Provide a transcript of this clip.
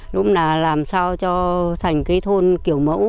lúc nào làm sao cho thành thôn kiểu mẫu